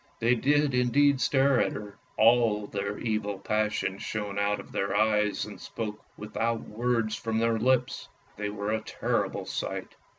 They did indeed stare at her, all their evil passions shone out of their eyes and spoke without words from their lips. They were a terrible sight.